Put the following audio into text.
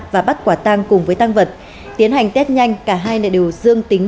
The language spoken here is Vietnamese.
và bắt quả tang cùng với tăng vật tiến hành test nhanh cả hai đều dương tính